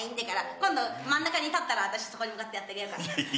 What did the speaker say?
今度、真ん中に立ったら、私そこに向かってやってあげるから。